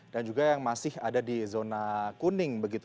dan juga yang masih ada di zona kuning begitu